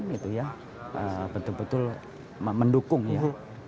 betul betul mendukung ya